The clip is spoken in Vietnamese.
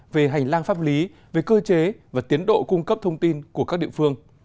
về hành lang pháp lý về cơ chế và tiến độ cung cấp thông tin của các địa phương